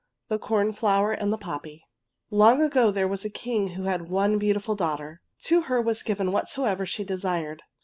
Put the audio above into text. THE CORN FLOWER AND THE POPPY Long ago there was a king who had one beautiful daughter. To her was given whatso ever she desired.